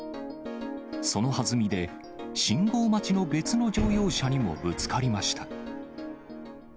そのはずみで、信号待ちの別の乗用車にもぶつかりました。